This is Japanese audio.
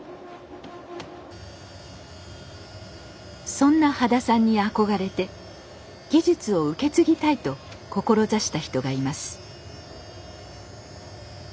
そんな羽田さんに憧れて技術を受け継ぎたいと志した人がいます。